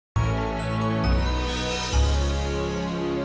ya udah bu